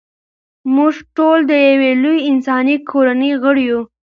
موږ ټول د یوې لویې انساني کورنۍ غړي یو.